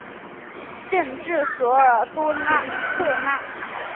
镇治索尔多特纳。